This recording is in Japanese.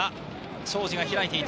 庄司がひらいていた。